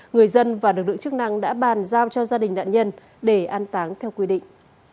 người dân và lực lượng chức năng đã bàn giao cho gia đình nạn nhân để an táng theo quy định